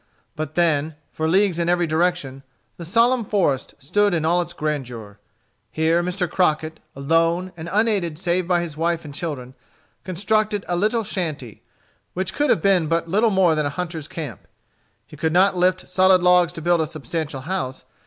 But then, for leagues in every direction, the solemn forest stood in all its grandeur. Here Mr. Crockett, alone and unaided save by his wife and children, constructed a little shanty, which could have been but little more than a hunter's camp. He could not lift solid logs to build a substantial house.